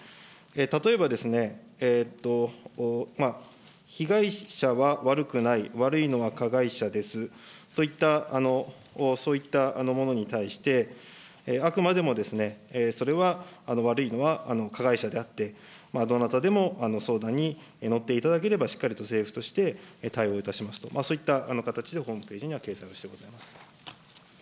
例えば、被害者は悪くない、悪いのは加害者ですといった、そういったものに対して、あくまでも、それは悪いのは加害者であって、どなたでも相談に乗っていただければ、しっかりと政府として対応いたしますと、そういった形でホームページには掲載しております。